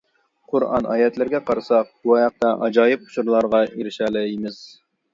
قۇرئان ئايەتلىرىگە قارىساق بۇ ھەقتە ئاجايىپ ئۇچۇرلارغا ئېرىشەلەيمىز.